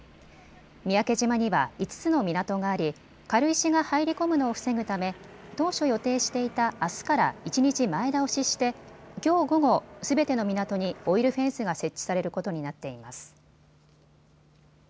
三宅島には５つの港があり、軽石が入り込むのを防ぐため当初予定していたあすから一日前倒しして、きょう午後、すべての港にオイルフェンスが設置されることになっています。